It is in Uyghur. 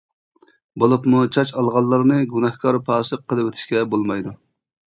بولۇپمۇ چاچ ئالغانلارنى گۇناھكار پاسىق قىلىۋېتىشكە بولمايدۇ.